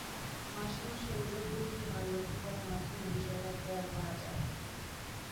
মাসে মাসে ওজন বৃদ্ধির হার লক্ষ করার মাধ্যমে বিষয়টা খেয়াল করা যায়।